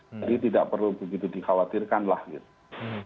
jadi tidak perlu begitu dikhawatirkan lah gitu